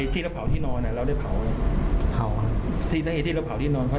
ตั้งไป๔ครั้ง